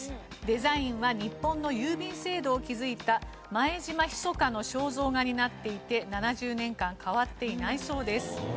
デザインは日本の郵便制度を築いた前島密の肖像画になっていて７０年間変わっていないそうです。